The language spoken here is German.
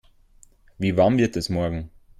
Wie warm wird es morgen?